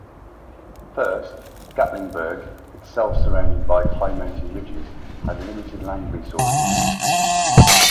First, Gatlinburg, itself surrounded by high mountain ridges, had limited land resources.